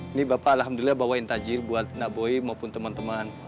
ini bapak alhamdulillah bawain tajir buat naboi maupun temen temen